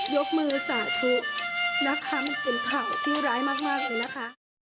ยกมือสาธุนะคะชุดข่าวชื่อร้ายมากอยู่นะคะ